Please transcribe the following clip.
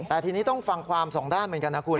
แต่ทีนี้ต้องฟังความสองด้านเหมือนกันนะคุณ